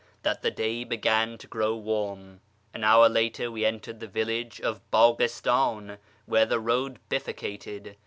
that the day began to grow warm. An hour later we entered the village of Baghistan, where the road bifurcated.